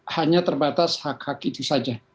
hanya terbatas hak hak itu saja